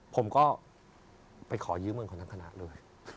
ผมก็ไปขอยื้อเงินของคนนั้นขนาดเลย